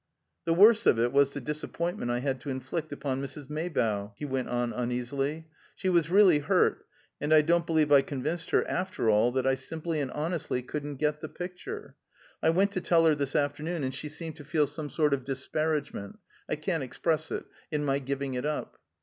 "The worst of it was the disappointment I had to inflict upon Mrs. Maybough," he went on uneasily. "She was really hurt, and I don't believe I convinced her after all that I simply and honestly couldn't get the picture. I went to tell her this afternoon, and she seemed to feel some sort of disparagement I can't express it in my giving it up."